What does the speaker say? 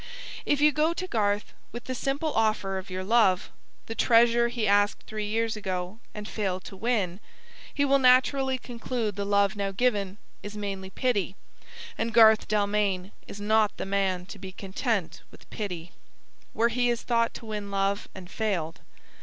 If you go to Garth with the simple offer of your love the treasure he asked three years ago and failed to win he will naturally conclude the love now given is mainly pity; and Garth Dalmain is not the man to be content with pity, where he has thought to win love, and failed.